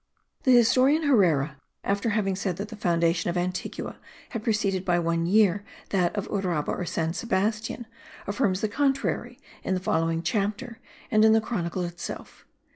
The historian Herrera, after having said that the foundation of Antigua had preceded by one year that of Uraba or San Sebastian, affirms the contrary in the following chapter and in the Chronicle itself.